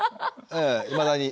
ええいまだに。